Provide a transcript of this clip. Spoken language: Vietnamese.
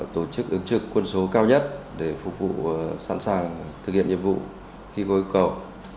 tổ chức ứng trực quân số cao nhất để phục vụ sẵn sàng thực hiện nhiệm vụ khi có yêu cầu